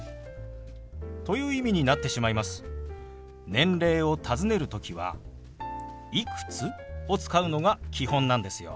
年齢をたずねる時は「いくつ？」を使うのが基本なんですよ。